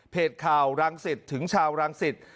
เพจข่าวรังศิษย์ถึงชาวรังศิษย์